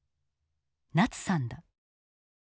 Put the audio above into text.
ナツさんだ。